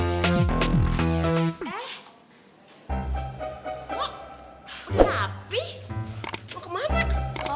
eh kok udah ngapih mau kemana